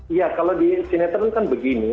iya kalau di sinetron kan begini